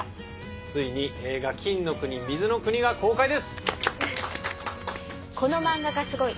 ついに映画『金の国水の国』が公開です！